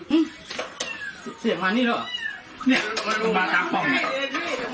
อันดับที่สุดท้ายก็จะเป็นอันดับที่สุดท้าย